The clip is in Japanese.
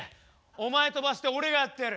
お前飛ばして俺がやってやる。